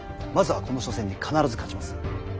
まずはこの緒戦に必ず勝ちます。